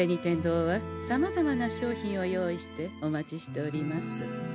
天堂はさまざまな商品を用意してお待ちしております。